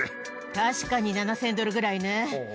確かに７０００ドルぐらいね。